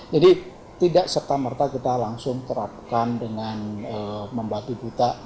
jadi tidak serta merta kita langsung terapkan dengan membatu buta